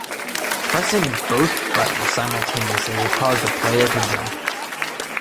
Pressing both buttons simultaneously will cause the player to jump.